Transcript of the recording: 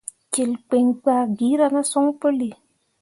Jilkpiŋ gbah gira ne son puli.